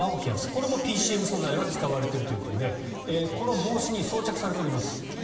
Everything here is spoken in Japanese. これもＰＣＭ素材が使われているということでこの帽子に装着されております。